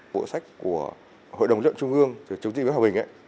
bộ sách của hội đồng luận trung ương chủ tịch bếp hòa bình ấy